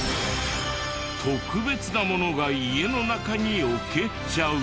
特別なものが家の中に置けちゃう！